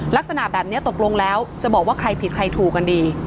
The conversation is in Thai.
ลักษณะแบบนี้ตกลงแล้วจะบอกว่าใครผิดใครถูกกันดี